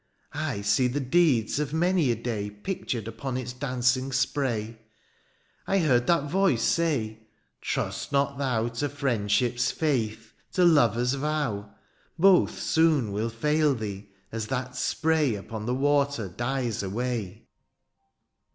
'^ I see the deeds of many a day '^ Pictured upon its dancing spray ;^' I heard that voice say, ^ Trust not thou " To friendship's feith, to lover's vow ;^^ Both soon will fail thee, as that spray Upon the water dies away.'